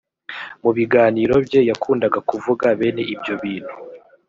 mu biganiro bye yakundaga kuvuga bene ibyo bintu